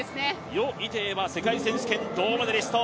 余依テイは世界選手権銅メダリスト。